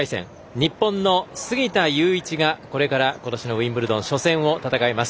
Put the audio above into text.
日本の杉田祐一が、これからことしのウィンブルドン初戦を戦います。